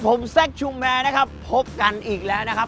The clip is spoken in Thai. ผมแซคชุมแอร์นะครับพบกันอีกแล้วนะครับ